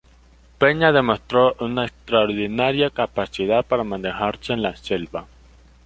Peña demostró una extraordinaria capacidad para manejarse en la selva.